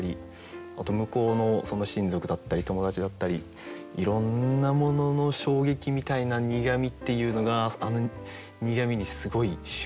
あと向こうの親族だったり友達だったりいろんなものの衝撃みたいな苦味っていうのがあの「苦味」にすごい集約されてると思います。